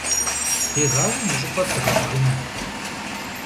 Дегъауи мы щӀыпӀэр дыгъэбгынэ.